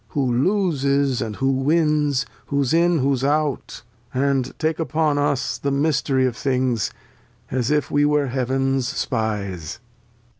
Who loses and who wins, who's in, who's out. And take upon us the Mystery of Things As if we were Heav'ns Spies.